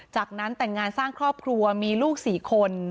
จากนั้นแต่งงานสร้างครอบครัวมีลูก๔คน